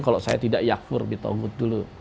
kalau saya tidak ya'fur di taugud dulu